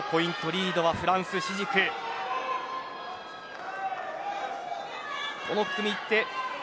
リードはフランス、シジク。